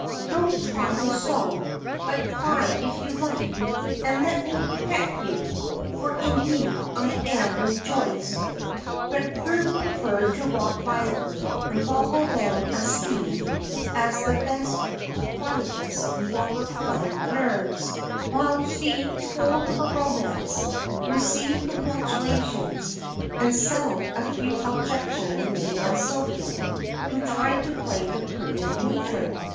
"Don't try to sew, but cry if you like, and let me pet you, for indeed I am rejoiced." But Prue preferred to rock violently, and boggle down a seam as the best quietus for her fluttered nerves, while she told her romance, received congratulations, and settled a few objections made by Sylvia, who tried to play the prudent matron.